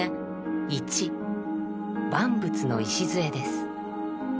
万物の礎です。